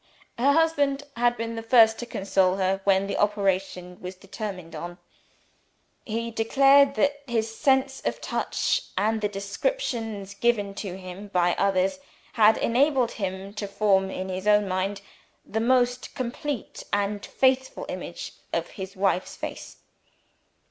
Her husband had been the first to console her when the operation was determined on. He declared that his sense of touch, and the descriptions given to him by others, had enabled him to form, in his own mind, the most complete and faithful image of his wife's face.